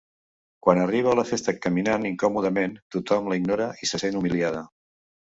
Quan arriba a la festa caminant incòmodament tothom la ignora i se sent humiliada.